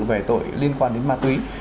về tội liên quan đến ma túy